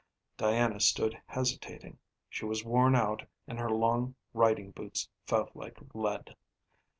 Diana stood hesitating. She was worn out and her long riding boots felt like lead.